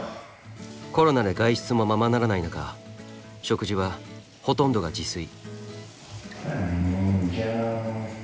コロナで外出もままならない中食事はほとんどが自炊。